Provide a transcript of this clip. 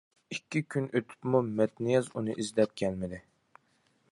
ئىككى كۈن ئۆتۈپمۇ مەتنىياز ئۇنى ئىزدەپ كەلمىدى.